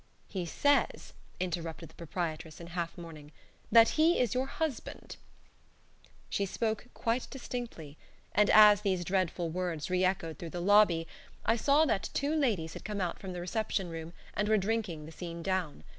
"He says," interrupted the proprietress in half mourning, "that he is your husband." She spoke quite distinctly, and as these dreadful words re echoed through the lobby, I saw that two ladies had come out from the reception room and were drinking the scene down.